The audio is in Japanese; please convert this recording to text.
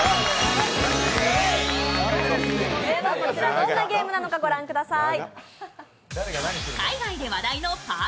どんなゲームなのかご覧ください。